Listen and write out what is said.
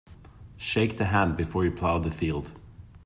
Shake the hand before you plough the field.